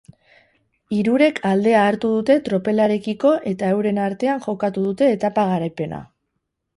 Hirurek aldea hartu dute tropelarekiko eta euren artean jokatu dute etapa garaipena.